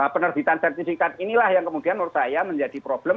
penerbitan sertifikat inilah yang kemudian menurut saya menjadi problem